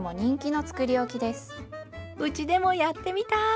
うちでもやってみたい！